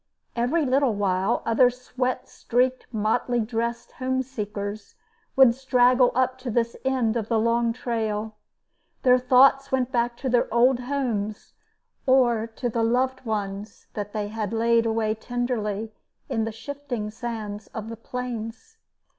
Every little while other sweat streaked, motley dressed homeseekers would straggle up to this end of the long trail. Their thoughts went back to their old homes, or to the loved ones that they had laid away tenderly in the shifting sands of the Plains.